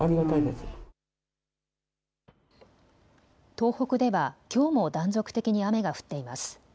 東北ではきょうも断続的に雨が降っています。